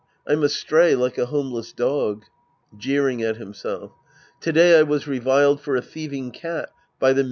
I'm astray like a homeless dog. {Jeering at himself!) To day I was reviled for a thieving cat by the mis.